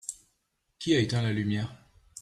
Qui a éteint la lumière ?